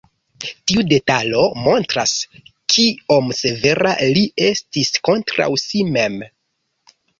Tiu detalo montras, kiom severa li estis kontraŭ si mem.